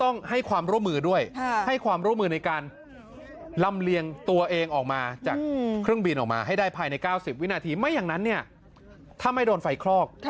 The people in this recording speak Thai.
ใน๙๐วินาทีไม่อย่างนั้นถ้าไม่โดนไฟคลอก